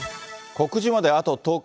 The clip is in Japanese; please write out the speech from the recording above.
告示まであと１０日。